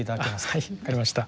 あっはいわかりました。